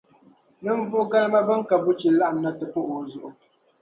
ninvuɣu galima bɛn ka buchi laɣim na ti pahi o zuɣu.